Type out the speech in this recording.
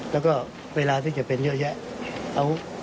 แล้วก็เวลาที่จะเป็นเยอะแยะ